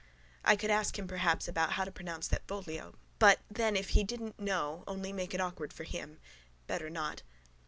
I could ask him perhaps about how to pronounce that voglio. But then if he didn't know only make it awkward for him. Better not.